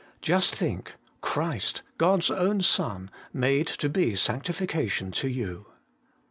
Just think, Christ, God's own Son, made to be sanctification to you.